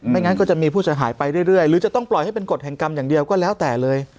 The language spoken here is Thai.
งั้นก็จะมีผู้เสียหายไปเรื่อยหรือจะต้องปล่อยให้เป็นกฎแห่งกรรมอย่างเดียวก็แล้วแต่เลย